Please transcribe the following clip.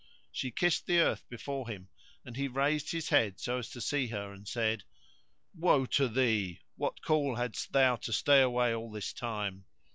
She kissed the earth before him, and he raised his head so as to see her and said, "Woe to thee! what call hadst thou to stay away all this time?